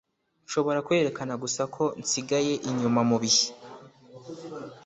nshobora kwerekana gusa ko nsigaye inyuma mubihe